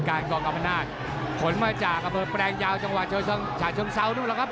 การกลอมอำนาจผลมาจากแผลงแย่งจังหวานสารราชชนเทราที่รู้เรามั้งครับ